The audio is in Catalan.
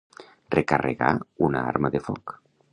Recarregar una arma de foc.